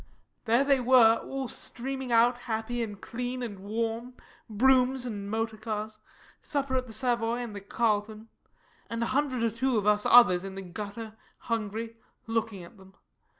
There they were, all streaming out, happy and clean and warm broughams and motor cars supper at the Savoy and the Carlton and a hundred or two of us others in the gutter, hungry looking at them.